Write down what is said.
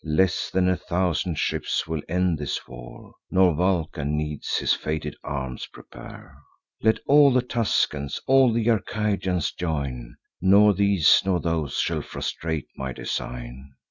Less than a thousand ships will end this war, Nor Vulcan needs his fated arms prepare. Let all the Tuscans, all th' Arcadians, join! Nor these, nor those, shall frustrate my design.